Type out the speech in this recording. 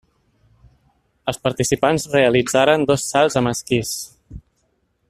Els participants realitzaren dos salts amb esquís.